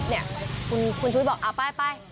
ที่ว่าเป็นคลิปเนี่ยคุณคุณชุวิตบอกอ่าไปไป